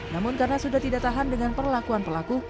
namun karena sudah tidak tahan dengan perlakuan pelaku